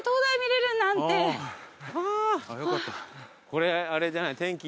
これあれじゃない天気